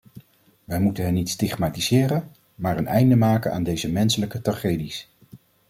Wij moeten hen niet stigmatiseren, maar een einde maken aan deze menselijke tragedies.